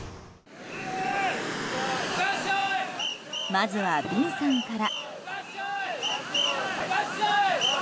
まずはビンさんから。